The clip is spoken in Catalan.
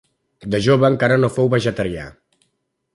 De jove encara no fou vegetarià.